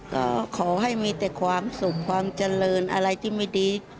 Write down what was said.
ก็ขอให้มีแต่ความสุขความเจริญอะไรที่ไม่ดี